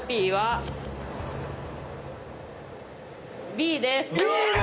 Ｂです。